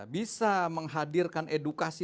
bisa menghadirkan edukasi